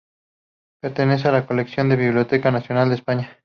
Pertenece a la colección de la Biblioteca Nacional de España.